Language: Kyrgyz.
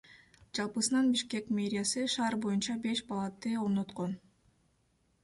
Жалпысынан Бишкек мэриясы шаар боюнча беш балаты орноткон.